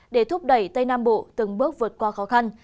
để thúc đẩy tây nam bộ từng bước vượt qua khó khăn